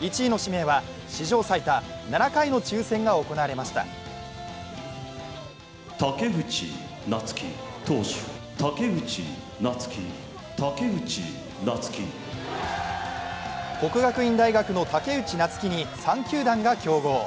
１位の指名は史上最多７回の抽選が行われました国学院大学の武内夏暉に３球団が競合。